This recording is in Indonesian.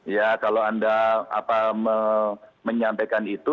ya kalau anda menyampaikan itu